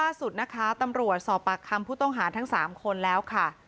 ล่าสุดนะคะตำรวจสอบปากคำผู้ต้องหาทั้ง๓คนแล้วค่ะ